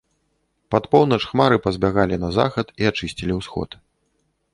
Пад поўнач хмары пазбягалі на захад і ачысцілі ўсход.